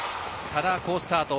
多田、好スタート。